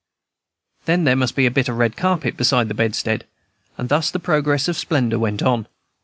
Then there must be a bit of red carpet beside the bedstead, and thus the progress of splendor went on.